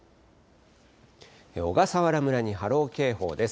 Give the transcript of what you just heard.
小笠原村に波浪警報です。